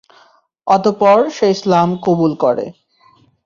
অতঃপর সে ইসলাম কবুল করে।